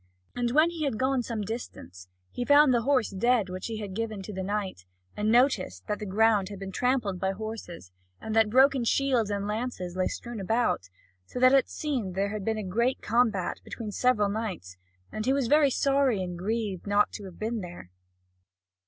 And when he had gone some distance, he found the horse dead which he had given to the knight, and noticed that the ground had been trampled by horses, and that broken shields and lances lay strewn about, so that it seemed that there had been a great combat between several knights, and he was very sorry and grieved not to have been there.